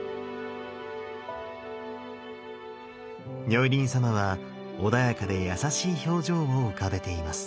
如意輪様は穏やかで優しい表情を浮かべています。